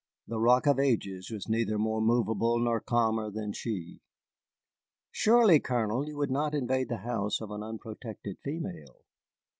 The Rock of Ages was neither more movable nor calmer than she. "Surely, Colonel, you would not invade the house of an unprotected female."